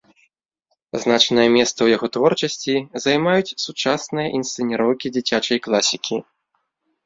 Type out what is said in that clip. Значнае месца ў яго творчасці займаюць сучасныя інсцэніроўкі дзіцячай класікі.